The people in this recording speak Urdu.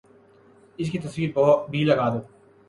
اس کی تصویر بھی لگا دو